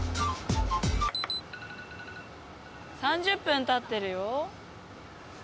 ３０分経ってるよ。